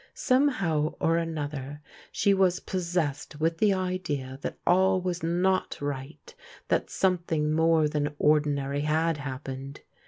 Somehow or an other, she was possessed with the idea that all was not right, that something more than ordinary had happened.